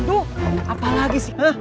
duh apa lagi sih